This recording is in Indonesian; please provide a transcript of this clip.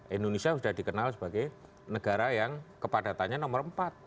indonesia sudah dikenal sebagai negara yang kepadatannya nomor empat